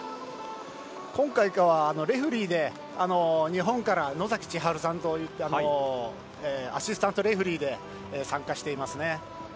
今回からレフェリーで日本からノザキさんという方がアシスタントレフェリーで参加していますね。